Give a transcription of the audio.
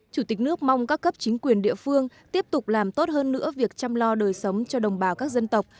chủ tịch nước mong các cấp chính quyền địa phương tiếp tục làm tốt hơn nữa việc chăm lo đời sống cho đồng bào các dân tộc